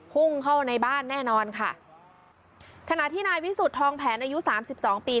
พุ่งเข้าในบ้านแน่นอนค่ะขณะที่นายวิสุทธิทองแผนอายุสามสิบสองปี